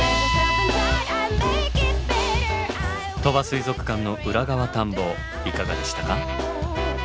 鳥羽水族館の裏側探訪いかがでしたか？